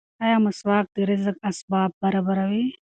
ایا مسواک د رزق اسباب برابروي؟